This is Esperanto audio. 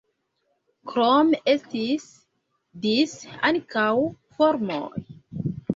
Krome estis dise ankaŭ farmoj.